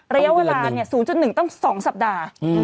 ระยะเวลา๐๑ต้อง๒สัปดาห์